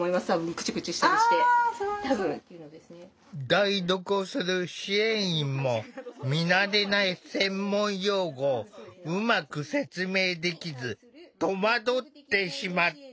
代読をする支援員も見慣れない専門用語をうまく説明できず戸惑ってしまった。